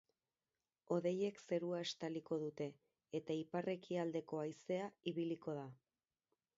Hodeiek zerua estaliko dute, eta ipar-ekialdeko haizea ibiliko da.